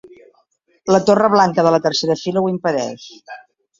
La torre blanca de la tercera fila ho impedeix.